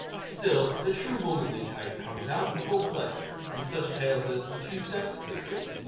Still the true womanly type comes out in full play in such tales as "The Two Step Sisters", No.